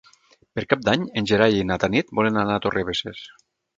Per Cap d'Any en Gerai i na Tanit volen anar a Torrebesses.